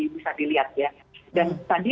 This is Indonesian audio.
bisa dilihat ya dan tadi